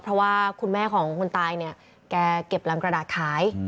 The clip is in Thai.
เพราะว่าคุณแม่ของคนตายเนี่ยแกเก็บลำกระดาษขาย